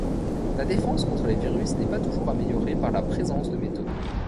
La défense contre les virus n'est pas toujours améliorée par la présence de métaux.